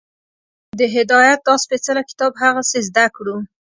د هدایت دا سپېڅلی کتاب هغسې زده کړو